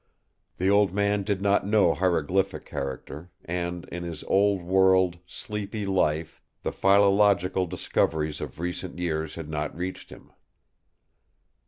The old man did not know hieroglyphic character, and in his old world, sleepy life, the philological discoveries of recent years had not reached him.